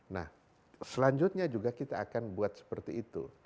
nah selanjutnya juga kita akan buat seperti itu